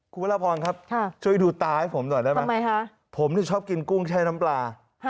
คุณพระราพรครับช่วยดูตาให้ผมหน่อยได้ไหมผมชอบกินกุ้งแช่น้ำปลา